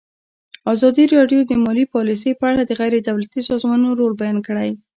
ازادي راډیو د مالي پالیسي په اړه د غیر دولتي سازمانونو رول بیان کړی.